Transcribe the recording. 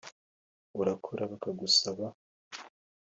urakora bakagusaba